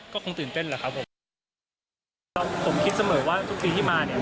ก็คงตื่นเต้นแหละครับผมคิดเสมอว่าทุกปีที่มาเนี่ย